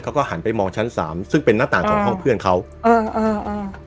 เขาก็หันไปมองชั้นสามซึ่งเป็นหน้าต่างของห้องเพื่อนเขาอ่าอ่า